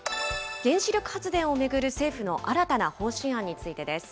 原子力発電を巡る政府の新たな方針案についてです。